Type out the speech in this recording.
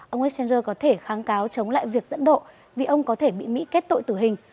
ông essenger có thể kháng cáo chống lại việc dẫn độ vì ông có thể bị mỹ kết tội tử hình